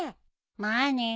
まあね。